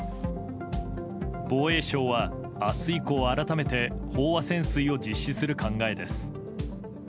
防衛省は明日以降、改めて飽和潜水を実施する考えです。